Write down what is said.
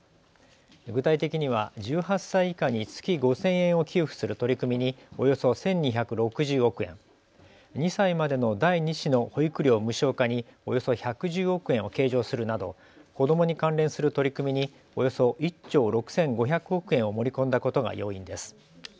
具体的には１８歳以下に月５０００円を給付する取り組みにおよそ１２６０億円２歳までの第２子の保育料無償化におよそ１１０億円を計上するなど子どもに関連する取り組みにおよそ１兆６５００億円を盛り込んだことが要因です。